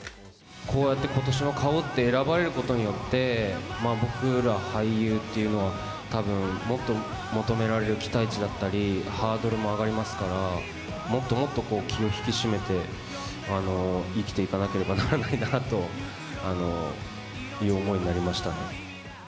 こうやって今年の顔って選ばれることによって、僕ら俳優っていうのは、たぶん、もっと求められる期待値だったり、ハードルも上がりますから、もっともっとこう、気を引き締めて、生きていかなければならないなという思いになりましたね。